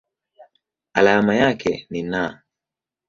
Alama yake ni Na.